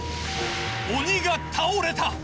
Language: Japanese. ・鬼が倒れた！